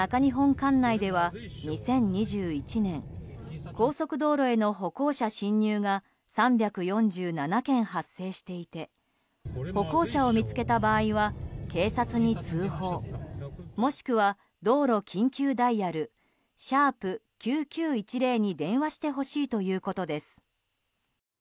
管内では２０２１年高速道路への歩行者侵入が３４７件発生していて歩行者を見つけた場合は警察に通報、もしくは道路緊急ダイヤル＃９９１０に電話してほしいということです。